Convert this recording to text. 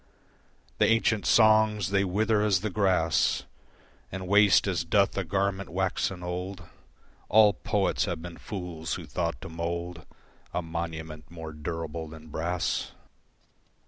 The ancient songs they wither as the grass And waste as doth a garment waxen old, All poets have been fools who thought to mould A monument more durable than brass.